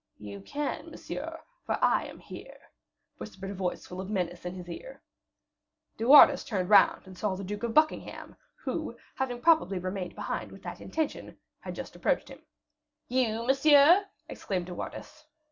"You can, monsieur, for I am here," whispered a voice full of menace in his ear. De Wardes turned round, and saw the Duke of Buckingham, who, having probably remained behind with that intention, had just approached him. "You, monsieur?" exclaimed De Wardes.